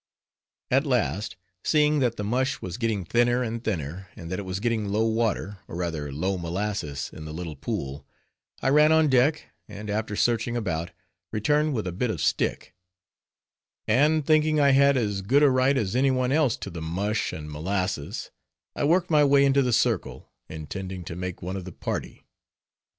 At last, seeing that the mush was getting thinner and thinner, and that it was getting low water, or rather low molasses in the little pool, I ran on deck, and after searching about, returned with a bit of stick; and thinking I had as good a right as any one else to the mush and molasses, I worked my way into the circle, intending to make one of the party.